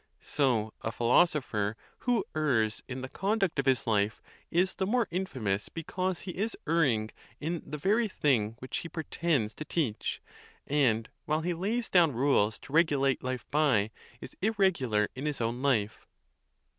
So a philosopher who errs in the conduct of his life is the more infamous be cause he is erring in the very thing which he pretends to teach, and, while he lays down rules to regulate life by, is irregular in his own life.